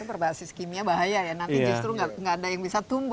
berbasis kimia bahaya ya nanti justru nggak ada yang bisa tumbuh